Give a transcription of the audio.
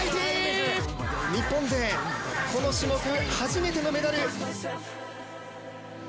日本勢、この種目初めてのメダル。